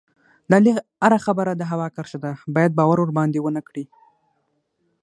د علي هره خبره د هوا کرښه ده، باید باور ورباندې و نه کړې.